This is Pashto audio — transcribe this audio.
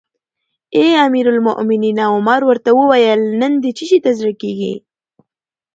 اې امیر المؤمنینه! عمر ورته وویل: نن دې څه شي ته زړه کیږي؟